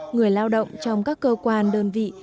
người lao động trong các cơ quan đơn vị